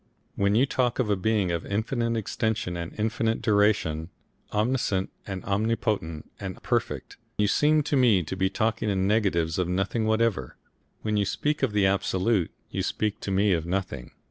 When you talk of a being of infinite extension and infinite duration, omniscient and omnipotent and Perfect, you seem to me to be talking in negatives of nothing whatever. When you speak of the Absolute you speak to me of nothing.